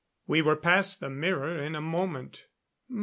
We were past the mirror in a moment.